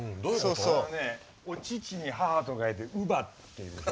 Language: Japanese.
あのねお乳に母と書いて乳母っていう。